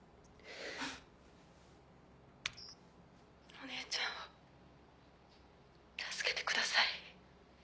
お姉ちゃんを助けてください。